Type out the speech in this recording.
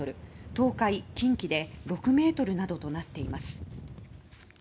東海、近畿で６ｍなどとなっています。